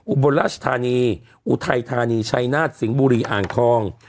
อุบลราชธานีอุทัยธานีชัยนาฏสิงห์บุรีอ่างทอง